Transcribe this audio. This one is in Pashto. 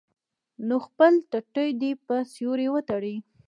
نو خپل ټټو دې پۀ سيوري وتړي -